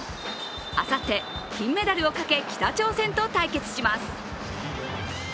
あさって、金メダルをかけ北朝鮮と対決します。